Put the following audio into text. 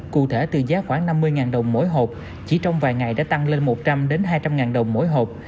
cụ thể từ giá khoảng năm mươi đồng mỗi hộp chỉ trong vài ngày đã tăng lên một trăm linh hai trăm linh ngàn đồng mỗi hộp